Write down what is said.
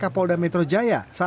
polda metro jaya